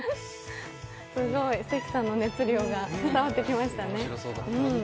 すごい、関さんの熱量が伝わってきましたね。